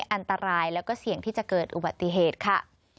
อันตรายแล้วก็เสี่ยงที่จะเกิดอุบัติเหตุค่ะ